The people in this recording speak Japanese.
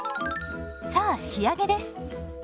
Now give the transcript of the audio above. さあ仕上げです。